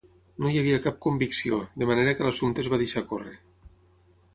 No hi havia cap convicció, de manera que l'assumpte es va deixar córrer.